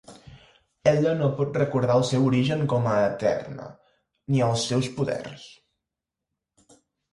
Ella no pot recordar el seu origen com a Eterna, ni els seus poders.